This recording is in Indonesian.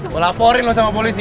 mau laporin sama polisi ya